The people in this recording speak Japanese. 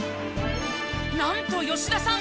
なんと吉田さん